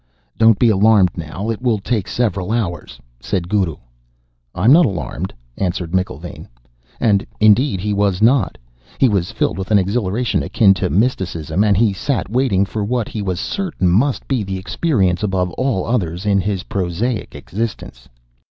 "Don't be alarmed now. It will take several hours," said Guru. "I'm not alarmed," answered McIlvaine. And indeed he was not; he was filled with an exhilaration akin to mysticism, and he sat waiting for what he was certain must be the experience above all others in his prosaic existence.